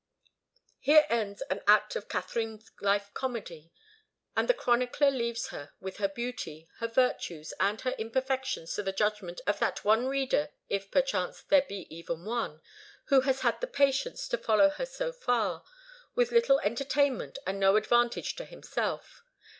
Here ends an act of Katharine's life comedy, and the chronicler leaves her with her beauty, her virtues and her imperfections to the judgment of that one reader, if perchance there be even one, who has had the patience to follow her so far, with little entertainment and no advantage to himself.